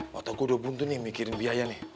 waktu aku udah buntu nih mikirin biaya nih